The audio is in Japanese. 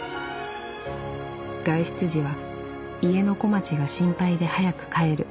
「外出時は家の小町が心配で早く帰る」。